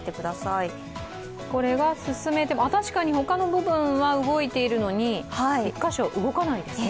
確かに他の部分は動いているのに、１カ所動かないですね。